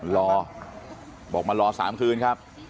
รอบอกมารอ๓คืนครับ